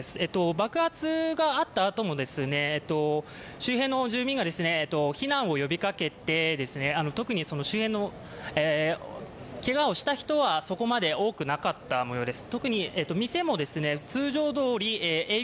爆発があったあとも、周辺の住民が避難を呼びかけて、特に周辺にけがをした人はそこまで多くなたったもようです。